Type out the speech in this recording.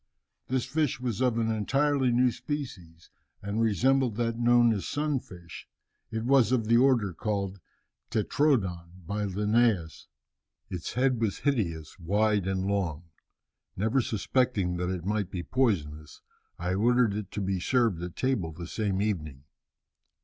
This fish was of an entirely new species, and resembled that known as sun fish, it was of the order called 'tetrodon' by Linnæus. Its head was hideous, wide and long. Never suspecting that it might be poisonous, I ordered it to be served at table the same evening.